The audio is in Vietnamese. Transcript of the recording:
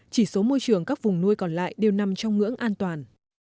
chỉ số môi trường các vùng nuôi còn lại đều nằm trong ngưỡng an toàn